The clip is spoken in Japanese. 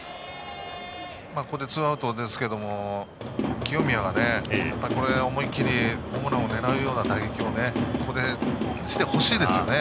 ここでツーアウトですけども清宮がこの辺で思い切りホームランを狙うような打撃をここでしてほしいですよね。